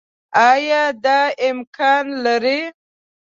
آيا دا امکان لري